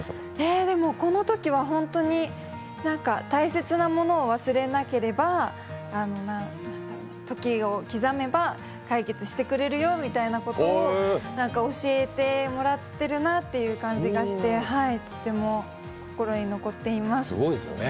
このときは本当に大切なものを忘れなければ、時を刻めば解決してくれるよみたいなことを教えてもらってるなっていう感じがしてとても心に残っています。